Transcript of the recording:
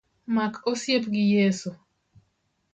Mak osiep gi Yeso.